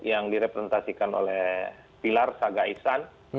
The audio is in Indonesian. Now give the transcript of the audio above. yang direpresentasikan oleh pilar saga ibu